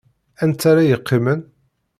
Anta ara yeqqimen?